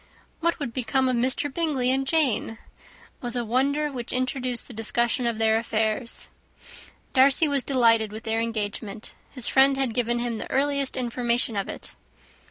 "What could have become of Mr. Bingley and Jane?" was a wonder which introduced the discussion of their affairs. Darcy was delighted with their engagement; his friend had given him the earliest information of it.